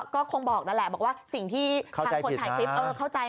ก็คงบอกนั่นแหละบอกว่าสิ่งที่ทางคนถ่ายคลิปเข้าใจ